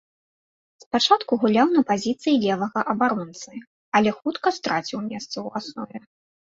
Спачатку гуляў на пазіцыі левага абаронцы, але хутка страціў месца ў аснове.